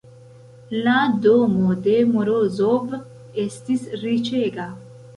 La domo de Morozov estis riĉega.